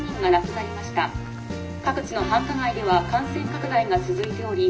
各地の繁華街では感染拡大が続いており」。